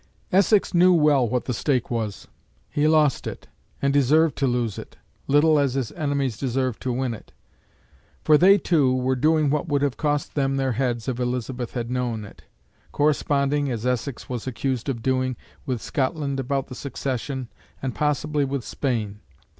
Essex knew well what the stake was. He lost it, and deserved to lose it, little as his enemies deserved to win it; for they, too, were doing what would have cost them their heads if Elizabeth had known it corresponding, as Essex was accused of doing, with Scotland about the succession, and possibly with Spain.